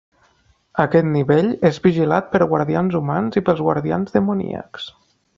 Aquest nivell és vigilat per guardians humans i pels Guardians Demoníacs.